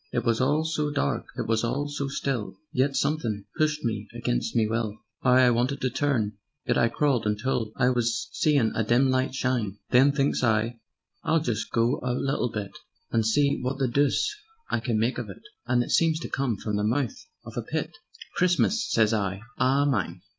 "It was all so dark, it was all so still; Yet somethin' pushed me against me will; 'Ow I wanted to turn! Yet I crawled until I was seein' a dim light shine. Then thinks I: 'I'll just go a little bit, And see wot the doose I can make of it,' And it seemed to come from the mouth of a pit: 'Christmas!' sez I, 'a _MINE.'